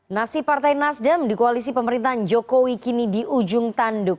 nasib partai nasdem di koalisi pemerintahan jokowi kini di ujung tanduk